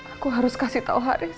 aku harus kasih tau haris